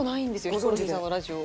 ヒコロヒーさんのラジオ。